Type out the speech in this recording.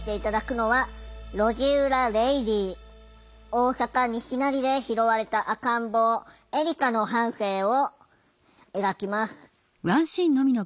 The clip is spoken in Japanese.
大阪・西成で拾われた赤ん坊エリカの半生を描きます。